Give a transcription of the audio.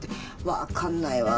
分かんないわ。